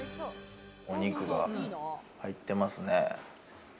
お肉が入ってますね。